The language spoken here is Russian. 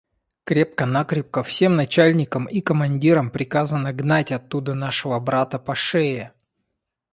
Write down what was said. – Крепко-накрепко всем начальникам и командирам приказано гнать оттуда нашего брата по шее.